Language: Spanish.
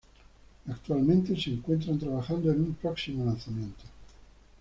Actualmente se encuentran trabajando en un próximo lanzamiento.